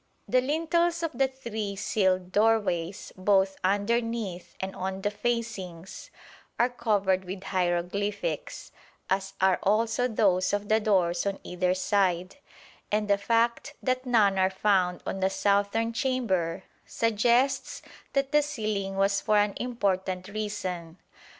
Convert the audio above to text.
The lintels of the three sealed doorways, both underneath and on the facings, are covered with hieroglyphics, as are also those of the doors on either side, and the fact that none are found on the southern chamber suggests that the sealing was for an important reason.